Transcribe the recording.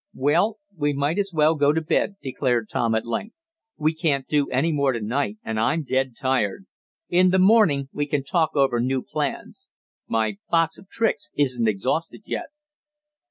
"Well, we might as well go to bed," declared Tom at length. "We can't do any more to night, and I'm dead tired. In the morning we can talk over new plans. My box of tricks isn't exhausted yet."